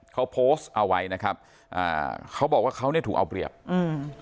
เขาโพสต์เอาไว้นะครับอ่าเขาบอกว่าเขาเนี่ยถูกเอาเปรียบอืม